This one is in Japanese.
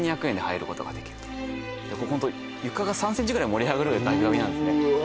ホント床が３ｃｍぐらい盛り上がるぐらいガビガビなんですねうわ